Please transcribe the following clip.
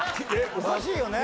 おかしいよね？